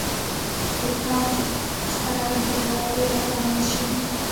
د پملا خپرونې د حوالو لپاره منل شوې دي.